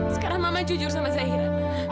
sekarang mama jujur sama zaira